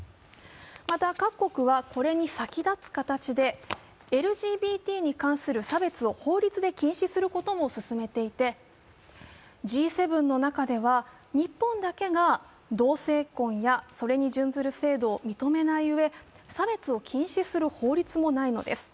また各国はこれに先立つ形で、ＬＧＢＴに関する差別を法律で禁止することも進めていてＧ７の中では日本だけが同性婚やそれに準ずる制度を認めないうえ差別を禁止する法律もないのです。